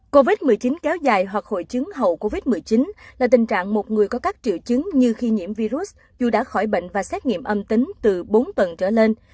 covid một mươi chín kéo dài hoặc hội chứng hậu covid một mươi chín là tình trạng một người có các triệu chứng như khi nhiễm virus dù đã khỏi bệnh và xét nghiệm âm tính từ bốn tầng trở lên